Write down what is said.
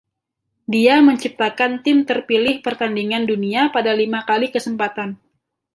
Dia menciptakan tim terpilih pertandingan dunia pada lima kali kesempatan.